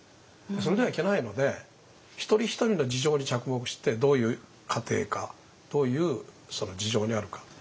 それではいけないので一人一人の事情に着目してどういう家庭かどういう事情にあるか。